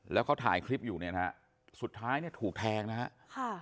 แล้วเขาถ่ายคลิปอยู่เนี่ยนะครับสุดท้ายถูกแทงนะครับ